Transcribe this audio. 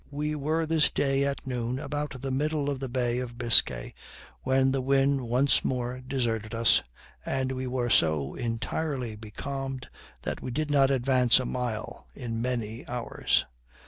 We were this day at noon about the middle of the bay of Biscay, when the wind once more deserted us, and we were so entirely becalmed, that we did not advance a mile in many hours.